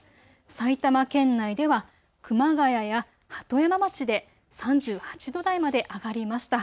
埼玉県内では熊谷や鳩山町で３８度台まで上がりました。